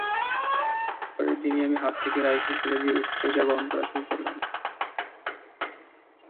পরের দিনই আমি হাত থেকে রাইফেল ফেলে দিয়ে স্ট্রেচার বহন করা শুরু করলাম।